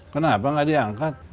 kenapa gak diangkat